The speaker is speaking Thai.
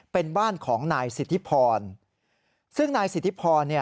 เป็นบ้านของนายสิทธิพรซึ่งนายสิทธิพรเนี่ย